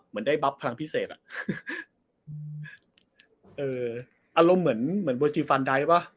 เหมือนได้บับพลังพิเศษอ่ะเอออารมณ์เหมือนเหมือนเวอร์จีฟันไดท์ป่ะ